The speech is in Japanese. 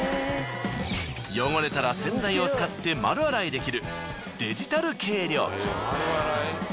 汚れたら洗剤を使って丸洗いできるデジタル計量器。